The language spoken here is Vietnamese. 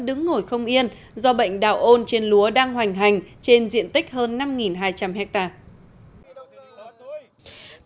đứng ngồi không yên do bệnh đạo ôn trên lúa đang hoành hành trên diện tích hơn năm hai trăm linh hectare